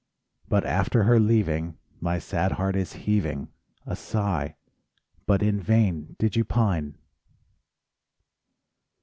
But after her leaving My sad heart is heaving A sigh: "But in vain did you pine!"